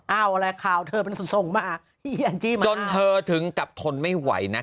เอาอะไรข่าวเธอไปส่งมานจิมาจนเธอถึงกับทนไม่ไหวนะ